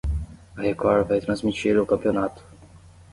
A Record vai transmitir o campeonato.